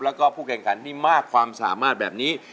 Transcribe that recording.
แล้วก็ผู้แข่งขันที่มากความสามารถแบบนี้